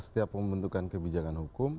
setiap pembentukan kebijakan hukum